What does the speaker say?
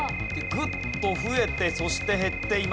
グッと増えてそして減っています。